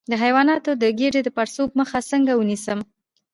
د حیواناتو د ګیډې د پړسوب مخه څنګه ونیسم؟